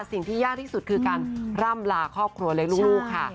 สิ่งที่ยากที่สุดคือการร่ำลาครอบครัวเล็กลูกค่ะ